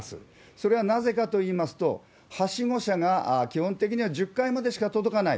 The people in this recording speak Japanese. それはなぜかといいますと、はしご車が基本的には１０階までしか届かない。